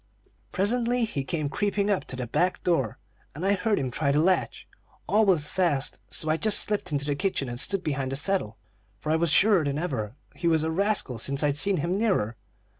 "Presently he came creeping up to the back door, and I heard him try the latch. All was fast, so I just slipped into the kitchen and stood behind the settle, for I was surer than ever he was a rascal since I'd seen him nearer.